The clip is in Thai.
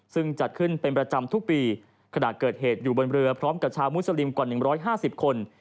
ซึ่งจัดขึ้นเป็นประจำทุกปีขณะเกิดเหตุอยู่บนเรือพร้อมกับชาวมุสลิมกว่า๑๕๐คน